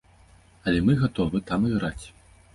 Але мы гатовы там іграць.